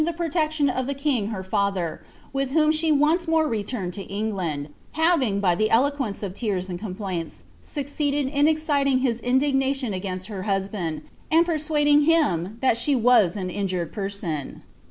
ISl ihe protection of the king her father, with whom she once more returned to England,' having, by the eloquence of tears and complaints, succeeded in exciting his indignation against her husband, and persuading him that die was an injured person.